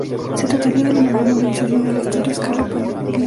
Se trataría de la mayor movilización de la historia a escala planetaria.